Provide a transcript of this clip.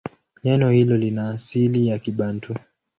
Neno hilo lina asili ya Kibantu.